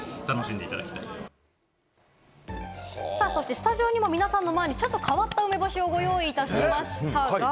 スタジオにも皆さんの前にちょっと変わった梅干しをご用意いたしました。